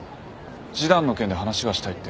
示談の件で話がしたいって。